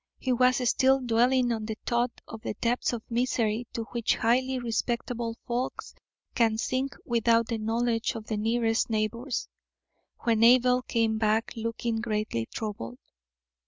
He was still dwelling on the thought of the depths of misery to which highly respectable folks can sink without the knowledge of the nearest neighbours, when Abel came back looking greatly troubled.